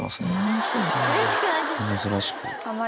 珍しく。